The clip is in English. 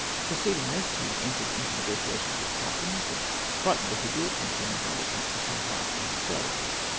Perceiving this, he entered into negotiations with the captains, and frightened the Hydriots into an acknowledgment of some power for himself.